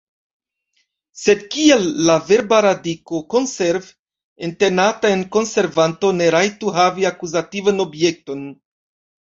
Sed kial la verba radiko konserv, entenata en konservanto, ne rajtu havi akuzativan objekton?